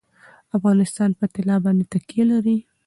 افغانستان په طلا باندې تکیه لري.